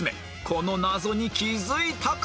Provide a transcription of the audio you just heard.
この謎に気づいたか？